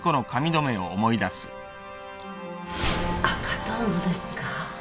赤トンボですか